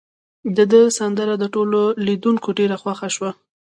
د ده سندره د ټولو لیدونکو ډیره خوښه شوه.